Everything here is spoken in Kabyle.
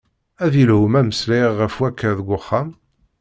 Ad yelhu ma meslayeɣ ɣef akka deg uxxam?